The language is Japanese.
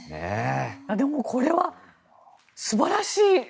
でもこれは素晴らしい。